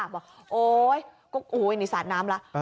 บอกว่าโอ๊ยโอ้โฮนี่สาดน้ำล่ะ